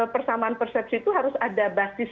persamaan persepsi itu harus ada basis